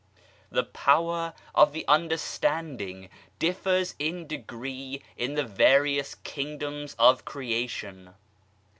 The power of ihe understanding differs in degree in the various kingdoms of creation.